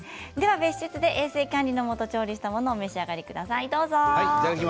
別室で衛生管理のもと調理したものをお召し上がりください。